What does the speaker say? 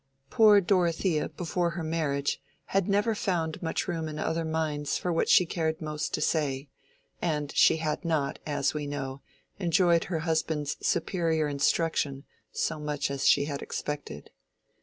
Poor Dorothea before her marriage had never found much room in other minds for what she cared most to say; and she had not, as we know, enjoyed her husband's superior instruction so much as she had expected.